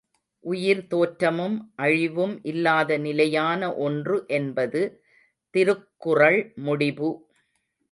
உயிர் தோற்றமும், அழிவும் இல்லாத நிலையான ஒன்று என்பது திருக்குறள் முடிபு.